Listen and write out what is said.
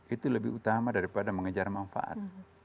itu lebih utama daripada mengejar manfaat